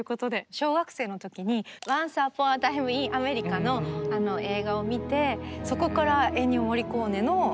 小学生の時に「ワンス・アポン・ア・タイム・イン・アメリカ」の映画を見てそこからエンニオ・モリコーネの大ファンになりました。